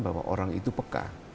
bahwa orang itu peka